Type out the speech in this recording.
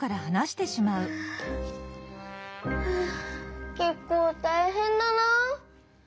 ふっけっこうたいへんだな。